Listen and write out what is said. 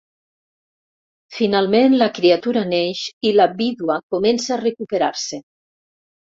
Finalment, la criatura neix i la vídua comença a recuperar-se.